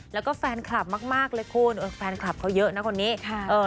แล้วก็แฟนคลับมากเลยคุณแฟนคลับเขาเยอะนะคนนี้ค่ะ